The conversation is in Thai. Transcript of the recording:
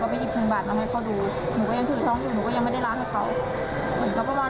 เหมือนเขาก็ค่อยเสียเข้ามา